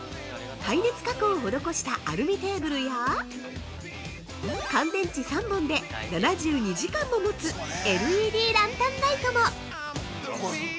耐熱加工を施したアルミテーブルや乾電池３本で７２時間ももつＬＥＤランタンライトも。